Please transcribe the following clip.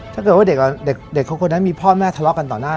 ถ้าเกิดว่าเด็กของคนนั้นมีพ่อแม่ทะเลาะกันต่อหน้า